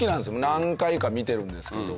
何回か見てるんですけど。